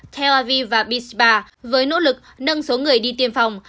tel aviv và bishba với nỗ lực nâng số người đi tiêm phòng